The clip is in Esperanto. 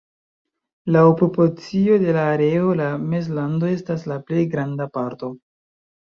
Laŭ proporcio de la areo la Mezlando estas la plej granda parto.